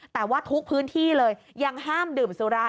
แต่ว่าทุกพื้นที่เลยยังห้ามดื่มสุรา